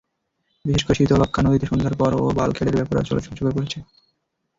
বিশেষ করে শীতলক্ষ্যা নদীতে সন্ধ্যার পরও বাল্কহেডের বেপরোয়া চলাচল চোখে পড়ছে।